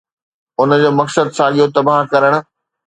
ان جو مقصد ساڳيو تباهه ڪرڻ.